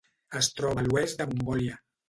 Es troba a l'oest de Mongòlia.